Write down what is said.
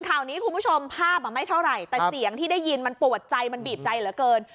ข่าวนี้คุณผู้ชมภาพอ่ะไม่เท่าไหร่แต่เสียงที่ได้ยินมันปวดใจมันบีบใจเหลือเกิน